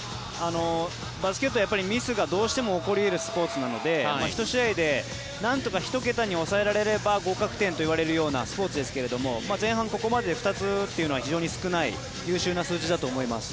バスケットはやっぱりミスがどうしても起こり得るスポーツなので１試合でなんとか１桁に抑えられれば合格点といわれるようなスポーツですが前半ここまでで２つというのは優秀な数字だと思います。